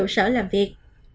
sở làm việc